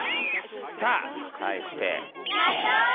さあ対して。